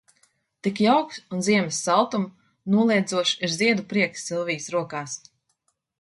Tik jauks un ziemas saltumu noliedzošs ir ziedu prieks Silvijas rokās.